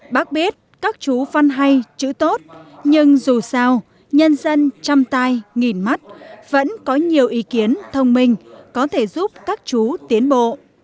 bác biết các chú văn hay chữ tốt nhưng dù sao nhân dân chăm tay nghìn mắt vẫn có nhiều ý kiến thông minh có thể giúp các chú tiến bộ